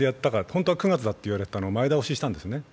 本当は９月だといわれていたのを前倒ししたんですね。